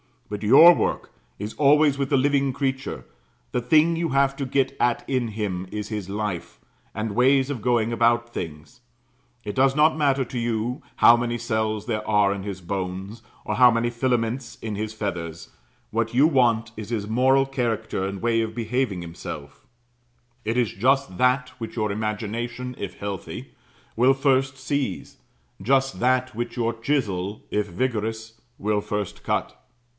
But your work is always with the living creature; the thing you have to get at in him is his life, and ways of going about things. It does not matter to you how many cells there are in his bones, or how many filaments in his feathers; what you want is his moral character and way of behaving himself; it is just that which your imagination, if healthy, will first seize just that which your chisel, if vigorous, will first cut.